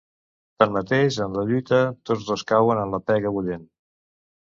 Tanmateix, en la lluita, tots dos cauen en la pega bullent.